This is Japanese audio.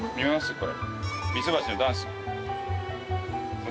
これ。